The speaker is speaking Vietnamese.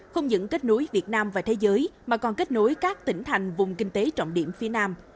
không những kết nối việt nam và thế giới mà còn kết nối các tỉnh thành vùng kinh tế trọng điểm phía nam